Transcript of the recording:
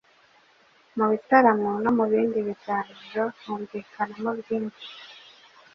Mu bitaramo no mu bindi biganiro humvikanamo byinshi